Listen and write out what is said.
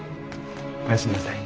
はい。